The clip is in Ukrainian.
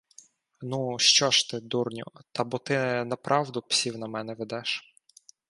- Ну, що ж ти, дурню! Та бо ти направду псів на мене ведеш!